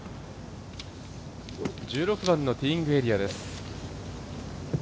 １６番のティーイングエリアです。